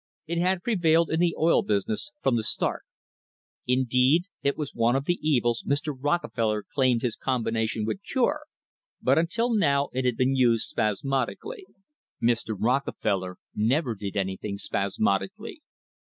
It had prevailed in the oil business from the \ start. Indeed, it was one of the evils Mr. Rockefeller claimed his combination would cure, but until now it had been used spasmodically. Mr. Rockefeller never did anything spasmod ically.